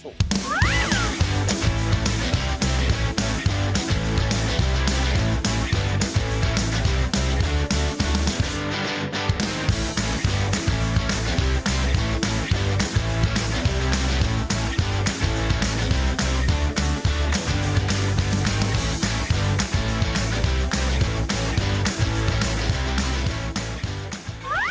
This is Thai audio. ซูซู